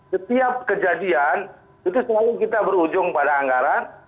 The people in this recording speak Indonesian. setiap kejadian itu selalu kita berujung pada anggaran